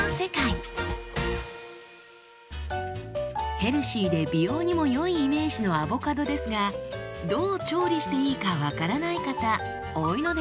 ヘルシーで美容にも良いイメージのアボカドですがどう調理していいか分からない方多いのではないでしょうか？